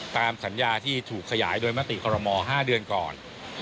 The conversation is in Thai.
ตามสัญญาที่ถูกขยายโดยมติคอรมอ๕เดือนก่อน